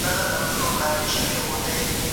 آیا ژوند تل په موږ باندې د ازموینې خاورې نه راغورځوي؟